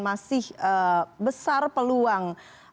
masih besar peluang